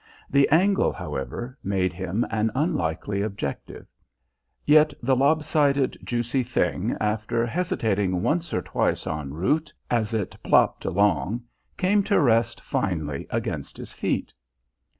The angle, however, made him an unlikely objective. Yet the lob sided, juicy thing, after hesitating once or twice en route as it plopped along, came to rest finally against his feet.